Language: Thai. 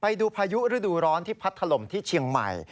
พายุฤดูร้อนที่พัดถล่มที่เชียงใหม่